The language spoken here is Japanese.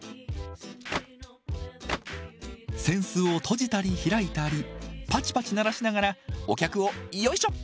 扇子を閉じたり開いたりパチパチ鳴らしながらお客をヨイショ！